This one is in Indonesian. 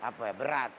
seharusnya tiga ronde